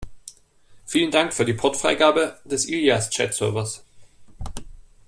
Vielen Dank für die Portfreigabe des Ilias Chat-Servers!